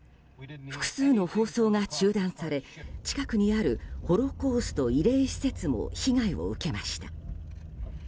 複数の放送が中断され近くにあるホロコースト慰霊施設も被害を受けました。